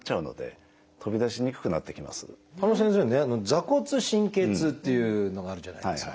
座骨神経痛っていうのがあるじゃないですか。